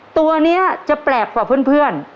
ตัวนี้จะแปลกกว่าเพื่อน